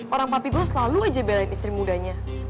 orang papi gue selalu aja belain istri mudanya